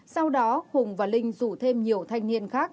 sau đó hùng và linh rủ thêm nhiều thanh niên khác